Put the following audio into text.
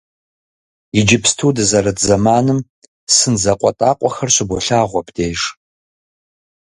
Иджыпсту дызэрыт зэманым сын закъуэтӏакъуэхэр щыболъагъу абдеж.